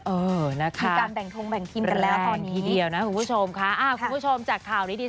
เออนะคะแรงทีเดียวนะคุณผู้ชมค่ะคุณผู้ชมจากข่าวนี้ดี